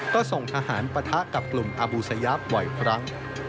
ก็ส่งทหารปะทะกับกลุ่มอบูซยัพร์ไว้พรั้ง